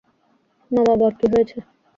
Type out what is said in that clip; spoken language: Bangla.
মা-বাবার কি হয়েছে?